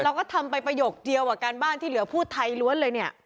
เราก็ทำไปประโยคเดียวกับการบ้านที่เหลือพูดไทยล้วนเลยเนี่ย